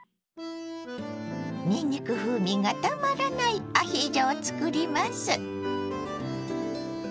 にんにく風味がたまらないアヒージョを作ります。